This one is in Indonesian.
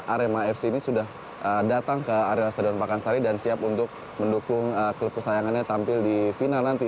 arema fc ini sudah datang ke area stadion pakansari dan siap untuk mendukung klub kesayangannya tampil di final nanti